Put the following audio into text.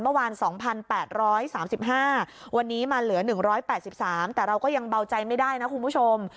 เมื่อวาน๒๘๓๕วันนี้มาเหลือ๑๘๓แต่เราก็ยังเบาใจไม่ได้นะคุณผู้ชม